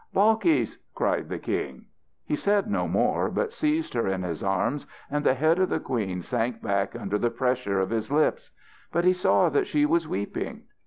"Balkis!" cried the king. He said no more, but seized her in his arms, and the head of the queen sank back under the pressure of his lips. But he saw that she was weeping.